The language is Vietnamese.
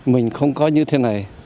mình không có như thế này